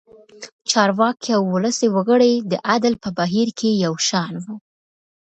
چارواکي او ولسي وګړي د عدل په بهیر کې یو شان وو.